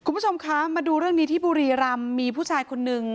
คุณผู้ชมคะมาดูเรื่องนี้ที่บุรีรำมีผู้ชายคนนึง